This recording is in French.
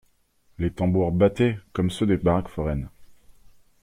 Les tambours battaient comme ceux des baraques foraines.